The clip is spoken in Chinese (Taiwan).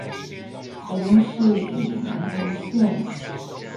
台中市與南投縣